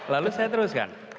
lalu saya teruskan